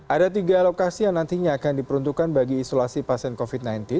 ada tiga lokasi yang nantinya akan diperuntukkan bagi isolasi pasien covid sembilan belas